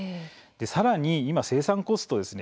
さらに今、生産コストですね。